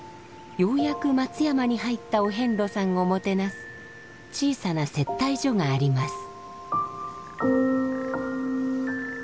ようやく松山に入ったお遍路さんをもてなす小さな接待所があります。